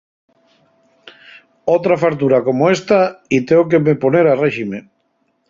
Otra fartura como esta y teo que me poner a réxime.